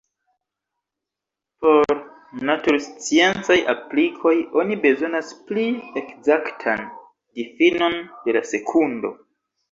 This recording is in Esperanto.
Por natursciencaj aplikoj oni bezonas pli ekzaktan difinon de la sekundo.